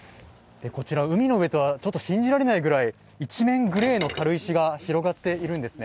海の上とは信じられないぐらい、一面グレーの軽石が広がっているんですね。